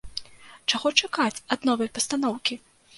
Чаго чакаць ад новай пастаноўкі?